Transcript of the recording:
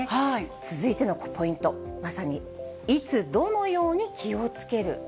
続いてのポイント、まさに、いつ、どのように気をつける？